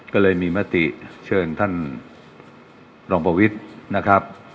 ก็เลยมีมติเชิญท่านรองประวิทย์นะครับ